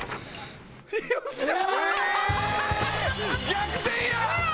逆転や！